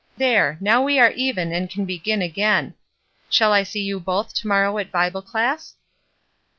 There, now we are even, and can begin again. Shall I see you both to morrow at Bible class?"